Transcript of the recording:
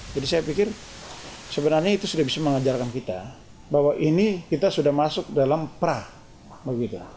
jadi saya pikir sebenarnya itu sudah bisa mengajarkan kita bahwa ini kita sudah masuk dalam pra